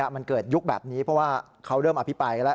มันเกิดยุคแบบนี้เพราะว่าเขาเริ่มอภิปัยแล้ว